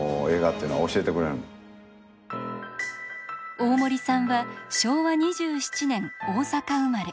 大森さんは昭和２７年大阪生まれ。